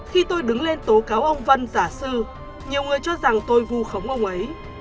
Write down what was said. khi tôi đứng lên tố cáo ông vân giả sư nhiều người cho rằng tôi vu khống ông ấy